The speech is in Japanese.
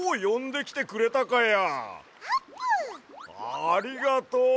ありがとう！